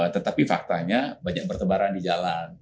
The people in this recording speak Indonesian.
tetapi faktanya banyak bertebaran di jalan